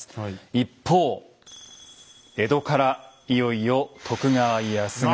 一方江戸からいよいよ徳川家康が。